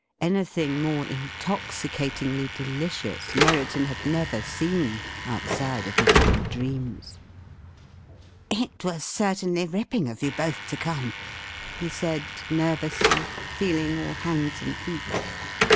Anything more intoxicatingly delicious Merriton had never seen outside of his own dreams. "It was certainly ripping of you both to come," he said nervously, feeling all hands and feet.